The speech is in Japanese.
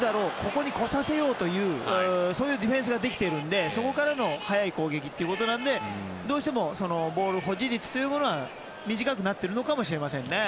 ここに来させようというそういうディフェンスができているのでそこからの速い攻撃ということなのでどうしてもボール保持率は短くなっているのかもしれませんね。